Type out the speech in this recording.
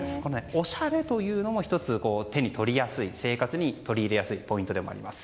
おしゃれというのも１つ、手に取りやすい生活に取り入れやすいポイントではあります。